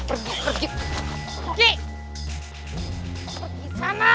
pergi sana banget